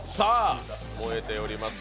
燃えております。